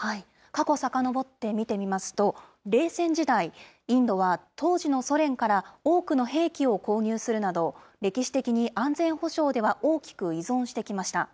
過去さかのぼって見てみますと、冷戦時代、インドは当時のソ連から多くの兵器を購入するなど、歴史的に安全保障では大きく依存してきました。